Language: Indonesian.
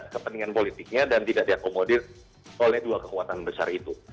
kepentingan politiknya dan tidak diakomodir oleh dua kekuatan besar itu